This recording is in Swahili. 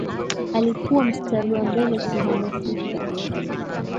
alikuwa mstari wa mbele kuhamasisha